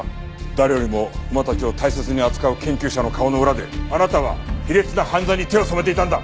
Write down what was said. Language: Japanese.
誰よりも馬たちを大切に扱う研究者の顔の裏であなたは卑劣な犯罪に手を染めていたんだ！